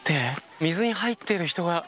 水に入っている人が。